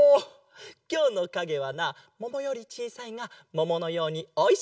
きょうのかげはなももよりちいさいがもものようにおいしいあれだぞ！